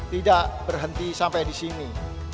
tidak berhenti sampai di sini